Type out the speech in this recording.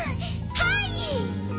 はい！